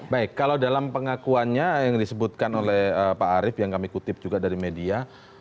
baik kalau dalam pengakuannya yang disebutkan oleh pak arief yang kami kutip juga dari media